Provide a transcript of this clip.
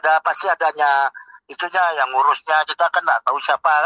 ya pasti adanya itunya yang ngurusnya kita kan nggak tahu siapa